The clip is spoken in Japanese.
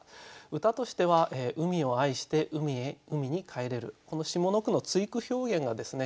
歌としては「海を愛して海に帰れる」この下の句の対句表現がですね